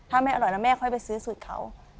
ถ้าไม่อร่อยก็ค่อยไปซื้อสูตรของเขา